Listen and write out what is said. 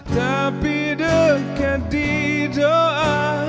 tapi dekat di doa